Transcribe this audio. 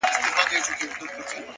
زړورتیا د نامعلوم پر لور قدم دی.